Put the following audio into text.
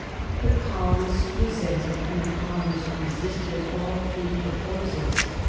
The colonists resented and the colonists resisted all three proposals.